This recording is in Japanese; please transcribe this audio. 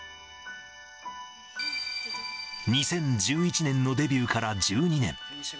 ２０１１年のデビューから１２年。